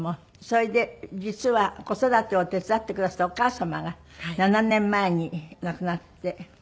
それで実は子育てを手伝ってくだすったお母様が７年前に亡くなって。